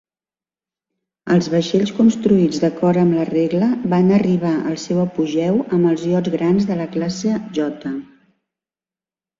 Els vaixells construïts d'acord amb la regla van arribar al seu apogeu amb els iots grans de la classe J.